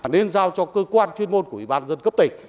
nên giao cho cơ quan chuyên môn của ủy ban dân cấp tỉnh